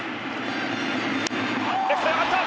レフトへ上がった！